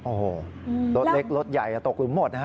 โอ้โหรถเล็กรถใหญ่ตกหลุมหมดนะฮะ